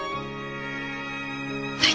はい。